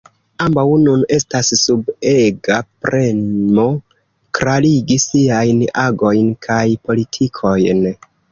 Ambaŭ nun estas sub ega premo klarigi siajn agojn kaj politikojn.